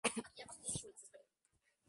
Licenciada en Medicina y Cirugía.